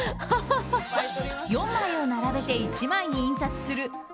４枚を並べて１枚に印刷する